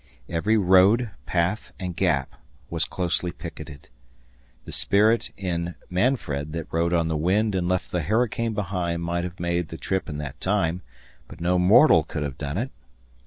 Every road, path, and gap was closely picketed. The spirit in "Manfred" that rode on the wind and left the hurricane behind might have made the trip in that time, but no mortal could have done it.